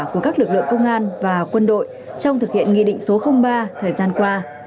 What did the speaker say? của các lực lượng công an và quân đội trong thực hiện nghị định số ba thời gian qua